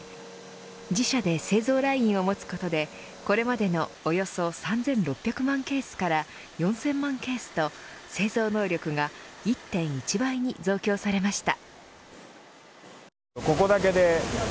自社で製造ラインを持つことでこれまでのおよそ３６００万ケースから４０００万ケースと製造能力が１１倍に増強されました。